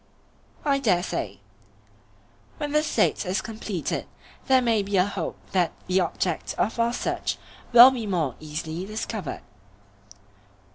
I dare say. When the State is completed there may be a hope that the object of our search will be more easily discovered.